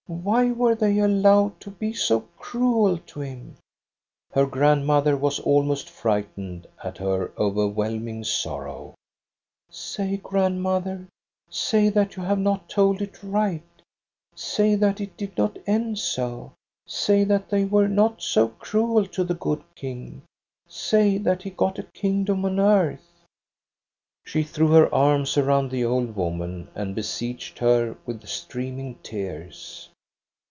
Why were they allowed to be so cruel to him }*" Her grandmother was almost frightened at her overwhelming sorrow. it ft (t it 224 THE STORY OF GO ST A BERLING "' Say, grandmother, say that you have not told it right ! Say that it did not end so ! Say that they were not so cruel to the good King ! Say that he got a kingdom on earth !'" She threw her arms around the old woman and beseeched her with streaming tears.